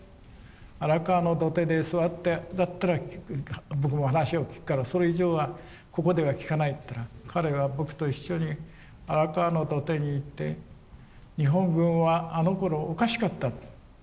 荒川の土手で座ってだったら僕も話を聞くからそれ以上はここでは聞かないって言ったら彼は僕と一緒に荒川の土手に行って日本軍はあのころおかしかったと。